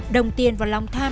đồng tiền và lòng tham